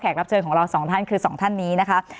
รับเชิญของเราสองท่านคือสองท่านนี้นะคะ